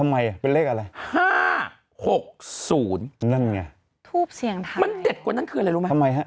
มันเด็ดกว่านั้นคืออะไรรู้ไหม